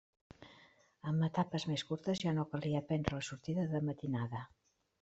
Amb etapes més curtes ja no calia prendre la sortida de matinada.